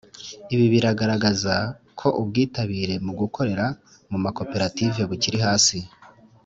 Ibi biragaragaza ko ubwitabire mu gukorera mu makoperative bukiri hasi